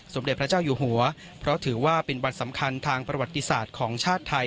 สมเด็จพระเจ้าอยู่หัวเพราะถือว่าเป็นวันสำคัญทางประวัติศาสตร์ของชาติไทย